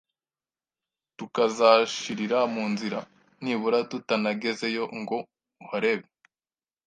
tukazashirira mu nzira, nibura tutanagezeyo ngo uharebe